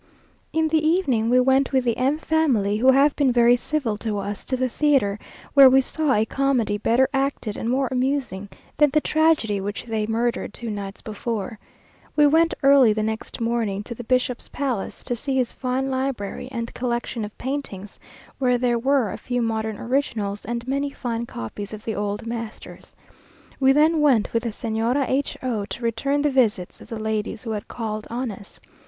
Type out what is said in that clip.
In the evening we went with the M family, who have been very civil to us, to the theatre, where we saw a comedy better acted and more amusing than the tragedy which they murdered two nights before. We went early the next morning to the bishop's palace, to see his fine library and collection of paintings, where there were a few modern originals and many fine copies of the old masters. We then went with the Señora H o, to return the visits of the ladies who had called on us.